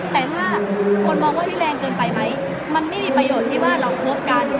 แต่ถ้าคนมองว่านี่แรงเกินไปไหมมันไม่มีประโยชน์ที่ว่าเราคบกัน